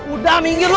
udah minggir lu